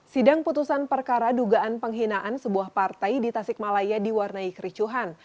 sidang putusan perkara dugaan penghinaan sebuah partai di tasikmalaya diwarnai kericuhan